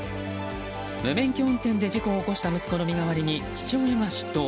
無免許運転で事故を起こした息子の身代わりに父親が出頭。